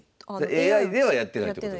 ＡＩではやってないってことですね。